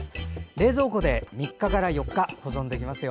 冷蔵庫で３日から４日保存できますよ。